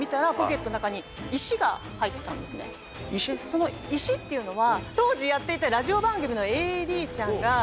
その石っていうのは。